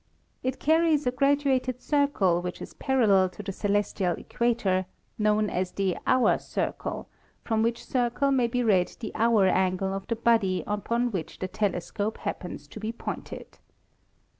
It carries a graduated circle which is parallel to the celestial equator, known as the hour circle, from which circle may be read the hour angle of the body upon which the telescope happens to be pointed.